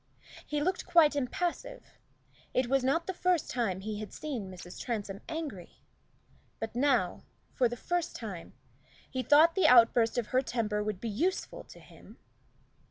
He looked quite impassive: it was not the first time he had seen Mrs. Transome angry; but now, for the first time, he thought the outburst of her temper would be useful to him.